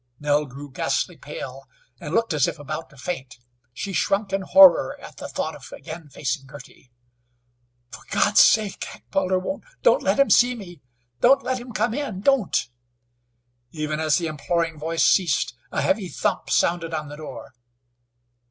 Nell grew ghastly pale, and looked as if about to faint. She shrunk in horror at the thought of again facing Girty. "For God's sake, Heckewelder, don't let him see me! Don't let him come in! Don't!" Even as the imploring voice ceased a heavy thump sounded on the door.